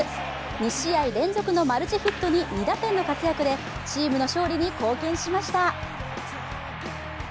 ２試合連続のマルチヒットに２打点の活躍で、チームの勝利に貢献しました。